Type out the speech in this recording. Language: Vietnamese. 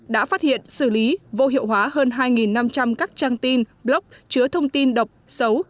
đã phát hiện xử lý vô hiệu hóa hơn hai năm trăm linh các trang tin blog chứa thông tin độc xấu